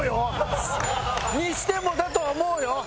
にしてもだとは思うよ！